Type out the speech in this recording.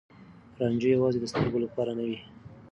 رانجه يوازې د سترګو لپاره نه دی.